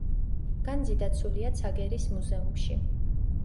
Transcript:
განძი დაცულია ცაგერის მუზეუმში.